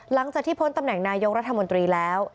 หลังจากที่พ้นตำแหน่งนายกรัฐมนตรีแล้ว